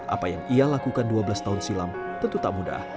apa yang ia lakukan dua belas tahun silam tentu tak mudah